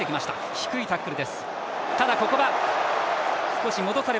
低いタックル。